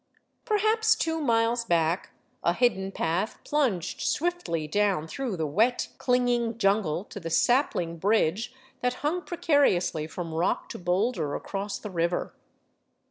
Perhaps two miles back, a hidden path plunged swiftly down through the wet, clinging jungle to the sapling bridge that hung precariously from rock to boulder across the river.